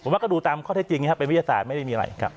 ว่าก็ดูตามข้อเท็จจริงนะครับเป็นวิทยาศาสตร์ไม่ได้มีอะไรครับ